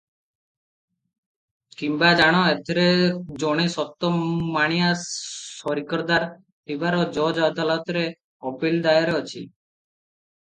କିମ୍ବା ଜାଣ, ଏଥିର ଜଣେ ସାତ ମାଣିଆ ସରିକଦାର ଥିବାର ଜଜ୍ ଅଦାଲତରେ ଅପିଲ ଦାୟର ଅଛି ।